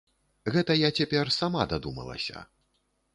Гэта я цяпер сама дадумалася.